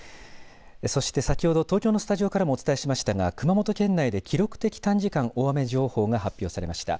そして先ほど東京のスタジオからもお伝えしましたが熊本県内で記録的短時間大雨情報が発表されました。